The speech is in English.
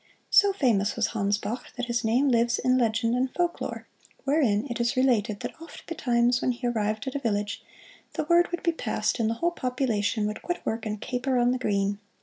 So famous was Hans Bach that his name lives in legend and folklore, wherein it is related that often betimes when he arrived at a village, the word would be passed and the whole population would quit work and caper on the green.